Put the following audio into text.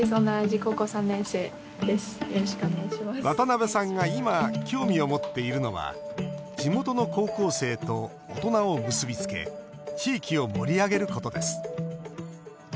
渡邉さんが今、興味を持っているのは地元の高校生と大人を結び付け地域を盛り上げることです。